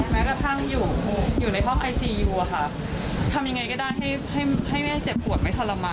แม้กระทั่งอยู่ในห้องไอซียูอะค่ะทำยังไงก็ได้ให้แม่เจ็บปวดไม่ทรมาน